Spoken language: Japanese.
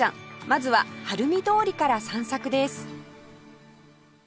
まずは晴海通りから散策です